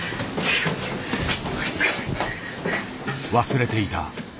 ・忘れていた。